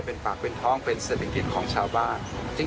เป็นปากเป็นท้องเป็นเศรษฐกิจของชาวบ้าน